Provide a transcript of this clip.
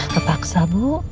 tepak usah bu